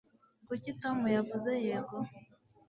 kuki tom yavuze yego